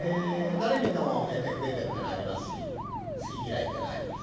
誰にでも得手不得手ってのはありますし好き嫌いってのはあります。